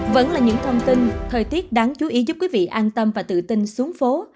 vẫn là những thông tin thời tiết đáng chú ý giúp quý vị an tâm và tự tin xuống phố